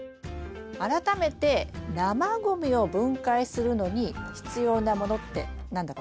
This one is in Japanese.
改めて生ごみを分解するのに必要なものって何だか分かります？